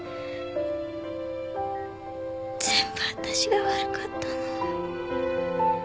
全部私が悪かったの。